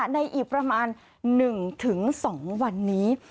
ในอีกประมาณ๑๒วันนี้